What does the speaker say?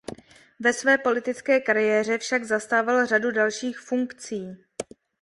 Ve své politické kariéře však zastával řadu dalších funkcí.